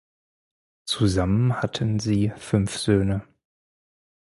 Zusammen hatten sie fünf Söhne.